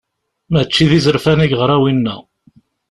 Mačči d izerfan i yeɣra winna.